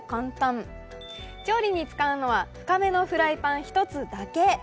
調理に使うのは深めのフライパン１つだけ。